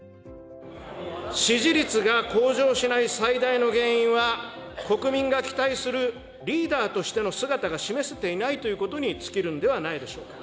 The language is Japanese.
支持率が向上しない最大の原因は、国民が期待するリーダーとしての姿が示せていないということに尽きるんではないでしょうか。